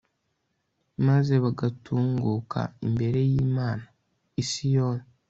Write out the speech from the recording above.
maze bagatunguka imbere y'imana i siyoni